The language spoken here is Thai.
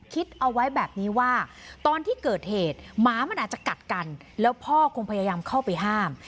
คิดเอาไว้แบบนี้ว่าตอนที่เกิดเหตุหมามันอาจจะกัดกันแล้วพ่อคงพยายามเข้าไปห้าม